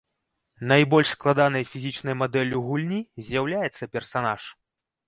Найбольш складанай фізічнай мадэллю гульні з'яўляецца персанаж.